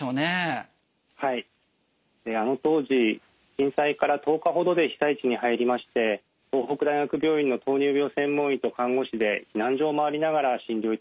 あの当時震災から１０日ほどで被災地に入りまして東北大学病院の糖尿病専門医と看護師で避難所を回りながら診療いたしました。